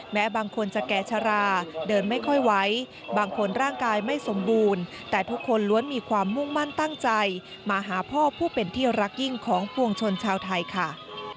บางคนจะแก่ชะลาเดินไม่ค่อยไหวบางคนร่างกายไม่สมบูรณ์แต่ทุกคนล้วนมีความมุ่งมั่นตั้งใจมาหาพ่อผู้เป็นที่รักยิ่งของปวงชนชาวไทยค่ะ